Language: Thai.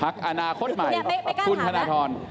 พักอนาคตใหม่คุณธนาธรรม